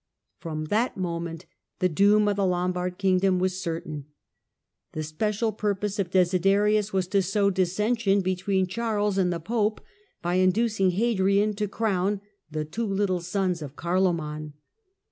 From that moment the doom of the Lombard kingdom was certain. The special purpose of Desiderius was to sow dissension between Charles and the Pope by inducing Hadrian to crown the two little sons of Carloman.